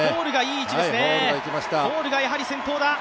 ホールがやはり先頭だ。